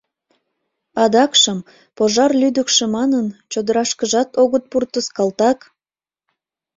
Адакшым, пожар лӱдыкшӧ манын, чодырашкыжат огыт пуртыс, калтак!